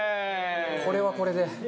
これはこれで。